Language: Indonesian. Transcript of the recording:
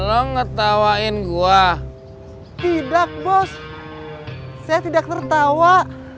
hai lo ngetawain gua tidak bos saya tidak tertawa